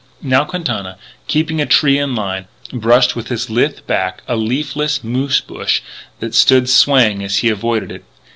Now Quintana, keeping a tree in line, brushed with his lithe back a leafless moose bush that stood swaying as he avoided it.